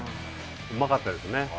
うまかったですね。